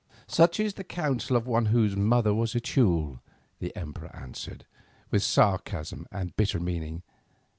"Such is the counsel of one whose mother was a Teule;" the emperor answered, with sarcasm and bitter meaning.